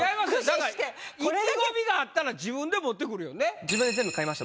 だから意気込みがあったら自分で持ってくるよね？